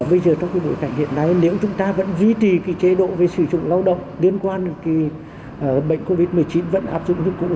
bây giờ trong cái bối cảnh hiện nay nếu chúng ta vẫn duy trì cái chế độ về sử dụng lao động liên quan bệnh covid một mươi chín vẫn áp dụng cụ